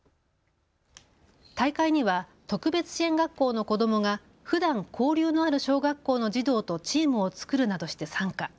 大会には特別支援学校の子どもがふだん交流のある小学校の児童とチームを作るなどして参加。